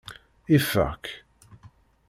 Ifeɣ-k.